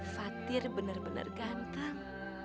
fatir benar benar ganteng